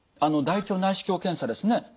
大腸内視鏡検査ですね